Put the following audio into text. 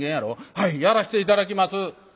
「はいやらして頂きます。